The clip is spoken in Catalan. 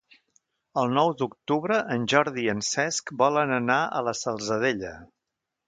El nou d'octubre en Jordi i en Cesc volen anar a la Salzadella.